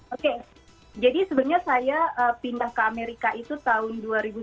oke jadi sebenarnya saya pindah ke amerika itu tahun dua ribu dua puluh